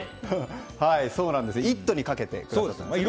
「イット！」にかけてくださったんですね。